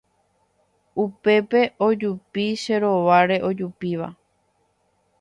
Upépe ojupi che rováre ojupíva